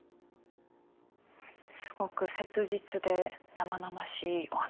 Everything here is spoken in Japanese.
すごく切実で生々しいお話でしたね。